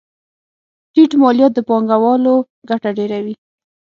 ټیټ مالیات د پانګوالو ګټه ډېروي.